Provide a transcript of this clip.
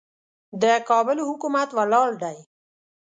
د کابل حکومت ولاړ دی.